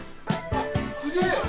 あっすげえ！